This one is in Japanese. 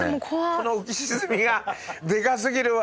この浮き沈みがでか過ぎるわ。